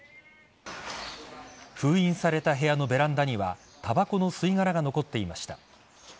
封印された部屋のベランダにはたばこの吸い殻が残っていました。